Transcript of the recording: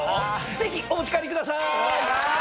ぜひお持ち帰りくださーい！